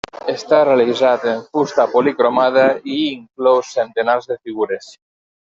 Està realitzat en fusta policromada i inclou centenars de figures.